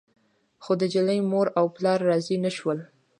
خو د نجلۍ مور او پلار راضي نه شول.